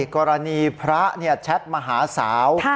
กรณีพระแชทมาหาสาว